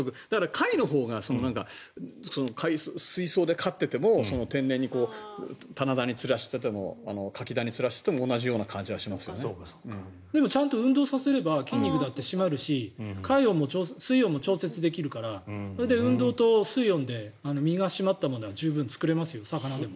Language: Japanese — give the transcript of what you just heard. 貝のほうが水槽で飼っていても天然に棚田につらしててもカキ田につらしててもでもちゃんと運動させれば筋肉だって締まるし水温も調節できるから運動と水温で身が締まったものが十分作れますよ、魚でも。